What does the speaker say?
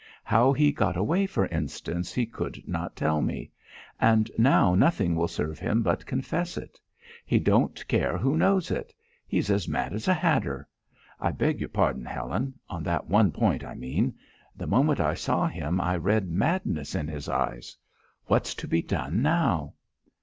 How he got away, for instance, he could not tell me. And now nothing will serve him but confess it! He don't care who knows it! He's as mad as a hatter! I beg your pardon, Helen on that one point, I mean. The moment I saw him I read madness in his eye! What's to be done now?"